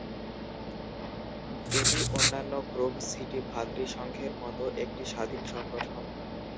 এটি অন্যান্য Grove City ভ্রাতৃসংঘের মত একটি স্বাধীন সংগঠন।